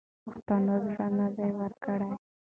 پښتنو زړه نه دی ورکړی.